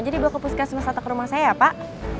jadi bawa kopus gas semesta ke rumah saya ya pak